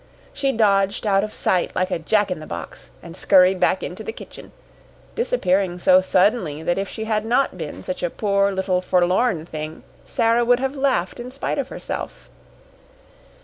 She dodged out of sight like a jack in the box and scurried back into the kitchen, disappearing so suddenly that if she had not been such a poor little forlorn thing, Sara would have laughed in spite of herself.